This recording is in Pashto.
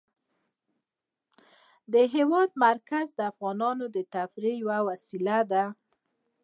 د هېواد مرکز د افغانانو د تفریح یوه وسیله ده.